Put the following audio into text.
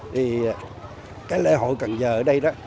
thì cái lễ hội cần giờ ở đây đó